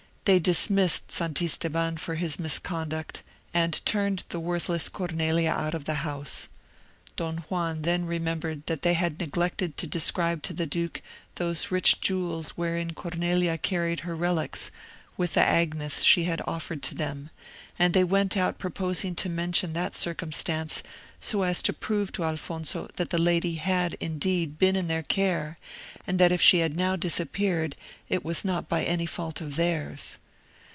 They dismissed Santisteban for his misconduct, and turned the worthless Cornelia out of the house. Don Juan then remembered that they had neglected to describe to the duke those rich jewels wherein Cornelia carried her relics, with the agnus she had offered to them; and they went out proposing to mention that circumstance, so as to prove to Alfonso that the lady had, indeed, been in their care, and that if she had now disappeared, it was not by any fault of theirs.